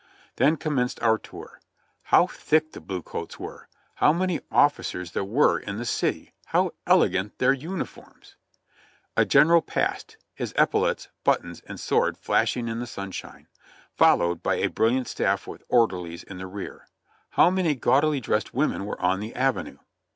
Then commenced our tour. How thick the blue coats were! How many officers there were in the city! How elegant their uniforms ! A general passed, his epaulets, buttons and sword flashing in the sunshine, followed by a brilliant staff with orderlies in the rear. How many gaudily dressed women were on the avenue!